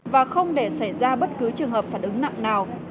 và không để xảy ra bất cứ trường hợp phản ứng nặng nào